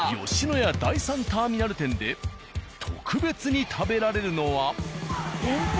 「野家第３ターミナル店」で特別に食べられるのは。